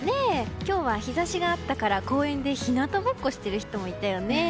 今日は日差しがあったから公園で日向ぼっこしてる人もいたよね。